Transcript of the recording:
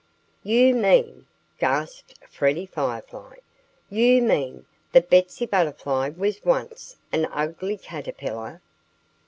"You mean " gasped Freddie Firefly "you mean that Betsy Butterfly was once an ugly caterpillar?"